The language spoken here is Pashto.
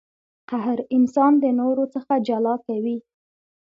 قهر انسان د نورو څخه جلا کوي.